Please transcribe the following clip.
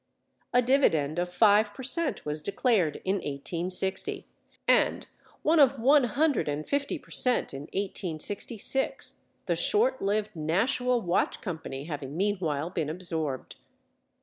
A dividend of five per cent was declared in 1860; and one of one hundred and fifty per cent in 1866, the short lived Nashua Watch Company having meanwhile been absorbed.